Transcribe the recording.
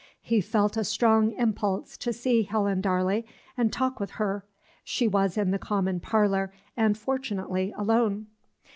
He felt a strong impulse to see Helen Darley and talk with her. She was in the common parlor, and, fortunately, alone.